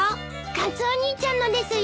カツオ兄ちゃんのですよ。